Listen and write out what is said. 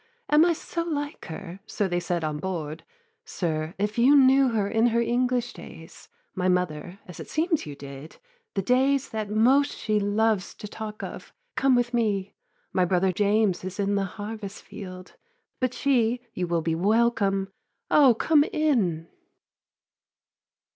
Am I so like her? so they said on board. Sir, if you knew her in her English days, My mother, as it seems you did, the days That most she loves to talk of, come with me. My brother James is in the harvest field: But she you will be welcome O, come in!'